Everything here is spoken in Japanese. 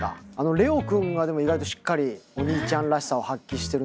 蓮音くんが意外としっかりお兄ちゃんらしさを発揮してるのがね